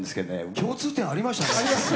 共通点ありましたね。